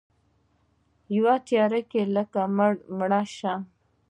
یوه تیارو کې لکه مړه شمعه